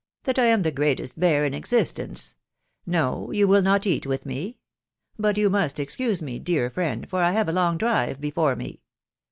• that I am the greatest bear in existent* !.••• No ! you will not eat with me ?.•.. But you must exeuse me, dear friend, for I have a long drive before me.